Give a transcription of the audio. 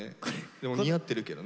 でも似合ってるけどね。